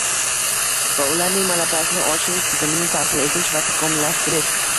va ularning malakasini oshirish tizimini tashkil etish va takomillashtirish;